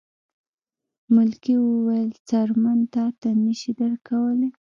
ملکې وویل څرمن تاته نه شي درکولی.